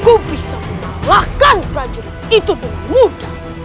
aku bisa membalakan prajurit itu dengan mudah